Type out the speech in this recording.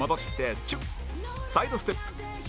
サイドステップ